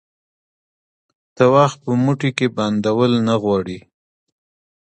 ته وخت په موټې کي بندول نه غواړي